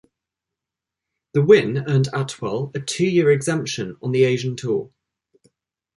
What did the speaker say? The win earned Atwal a two-year exemption on the Asian Tour.